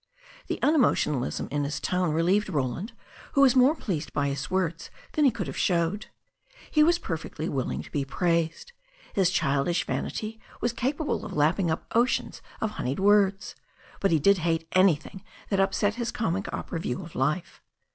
The unemotionalism in his tone relieved Roland, who was more pleased by his words than he could have showed. He was perfectly willing to be praised. His childish vanity was capable of lapping up oceans of honeyed words. But he did hate anything that upset his comic opera view of life.